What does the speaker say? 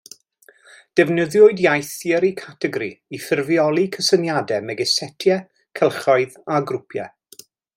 Defnyddiwyd iaith theori categori i ffurfioli cysyniadau megis setiau, cylchoedd a grwpiau.